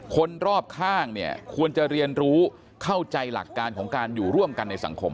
คนรอบข้างเนี่ยควรจะเรียนรู้เข้าใจหลักการของการอยู่ร่วมกันในสังคม